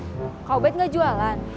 sementara saeb yang jualan